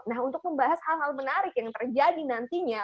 nah untuk membahas hal hal menarik yang terjadi nantinya